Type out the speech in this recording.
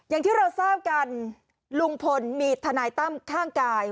อย่างที่เราทราบกันลุงพลมีทนายตั้มข้างกาย